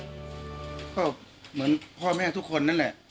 ก็เหมือนพ่อแม่ทุกคนนั่นแหละ